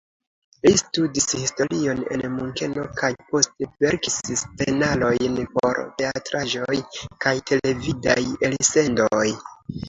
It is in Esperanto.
Li studis historion en Munkeno kaj poste verkis scenarojn por teatraĵoj kaj televidaj elsendoj.